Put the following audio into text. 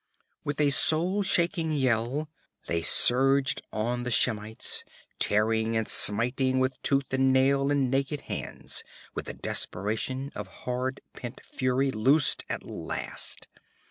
With a soul shaking yell they surged on the Shemites, tearing and smiting with tooth and nail and naked hands, with the desperation of hard pent fury loosed at last.